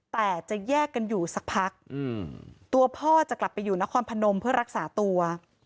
แต่จะแยกกันอยู่สักพักตัวพ่อจะกลับไปอยู่นครพนมเพื่อรักษาตัว